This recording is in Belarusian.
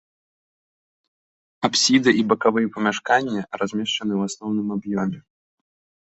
Апсіда і бакавыя памяшканні размешчаны ў асноўным аб'ёме.